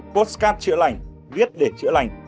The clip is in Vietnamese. postcard chữa lành viết để chữa lành